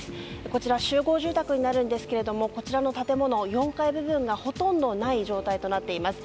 こちら、集合住宅になるんですがこちらの建物４階部分がほとんどない状態となっています。